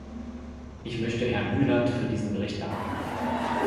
Ich möchte Herrn Hyland für diesen Bericht danken.